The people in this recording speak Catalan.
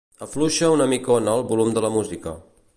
Afluixa una micona el volum de la música.